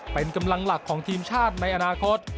เป็นกำลังหลักของทีมชาติในอนาคต